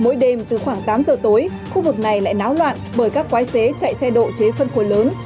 mỗi đêm từ khoảng tám giờ tối khu vực này lại náo loạn bởi các quái xế chạy xe độ chế phân khối lớn